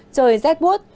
trời rét bút